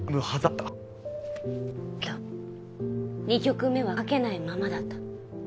だけど２曲目は書けないままだった。